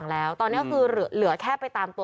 แล้วพี่มีอะไรเรือน่ะครับค่ะ